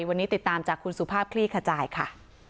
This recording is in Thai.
วันนี้ติดตามจากคุณสุภาพคลี่ขจายค่ะ